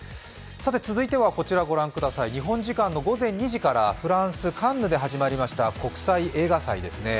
続いては、日本時間の午前２時からフランス・カンヌで始まりました国際映画祭ですね。